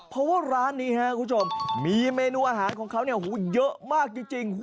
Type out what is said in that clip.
เพราะว่าร้านนี้ครับคุณผู้ชมมีเมนูอาหารของเขาเยอะมากจริง